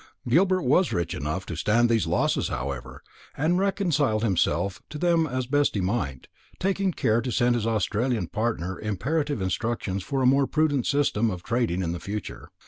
Gilbert was rich enough to stand these losses, however; and he reconciled himself to them as best he might, taking care to send his Australian partner imperative instructions for a more prudent system of trading in the future.